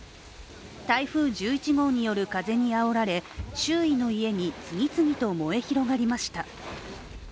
台風１１号による風にあおられ周囲の家に次々と燃え広がりました。